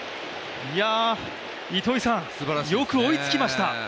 糸井さん、よく追いつきました。